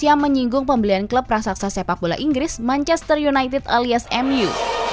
yang menyinggung pembelian klub raksasa sepak bola inggris manchester united alias mu